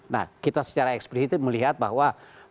nah kita secara eksplisit melihat bahwa